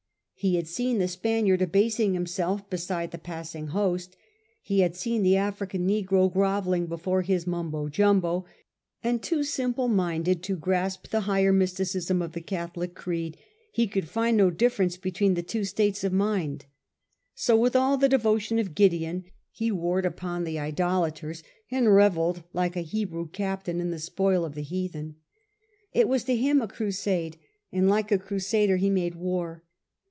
He had seen the Spaniard abasing himself beside the passing Host: he had seen the African negro grovelling before his Mumbo Jumbo; and too simple minded to grasp the higher mysticism of the Catholic creed, he could find no differ ence between the two states of mind. So with all the devotion of Gideon he warred upon the idolaters, and revelled like a Hebrew captain in the spoil of the heathen. It was to him a crusade ; and like a crusader he made war.